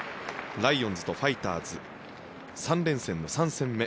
ライオンズとファイターズ３連戦の３戦目。